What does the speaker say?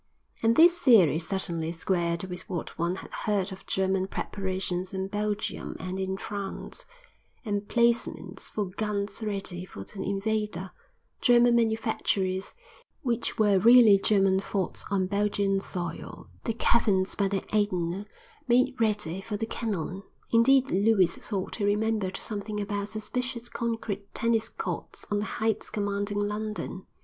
And this theory certainly squared with what one had heard of German preparations in Belgium and in France: emplacements for guns ready for the invader, German manufactories which were really German forts on Belgian soil, the caverns by the Aisne made ready for the cannon; indeed, Lewis thought he remembered something about suspicious concrete tennis courts on the heights commanding London.